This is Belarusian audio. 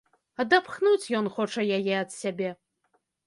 Адапхнуць ён хоча яе ад сябе.